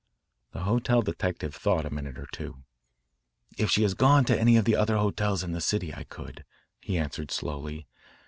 The hotel detective thought a minute or two. "If she has gone to any of the other hotels in this city, I could," he answered slowly.